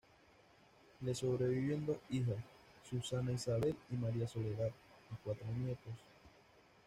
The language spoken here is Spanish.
Le sobreviven dos hijas, Susana Isabel y María Soledad, y cuatro nietos.